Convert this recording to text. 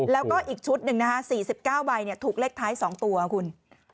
แล้วก็อีกชุดหนึ่งนะคะ๔๙ใบถูกเลขท้าย๒ตัวคุณ